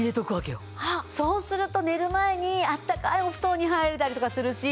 そうすると寝る前にあったかいお布団に入れたりとかするし。